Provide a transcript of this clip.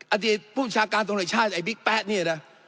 อาทิตย์ผู้ชาญการตรงไลน์ชาติไอ้บิ๊กแป๊ดนี้นะ